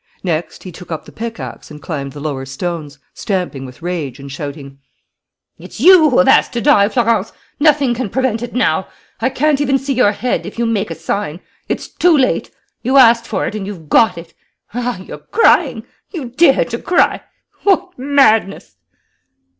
Next, he took up the pickaxe and climbed the lower stones, stamping with rage and shouting: "It's you who have asked to die, Florence! Nothing can prevent it now. I can't even see your head, if you make a sign. It's too late! You asked for it and you've got it! Ah, you're crying! You dare to cry! What madness!"